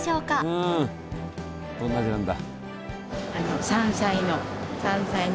うんどんな味なんだ？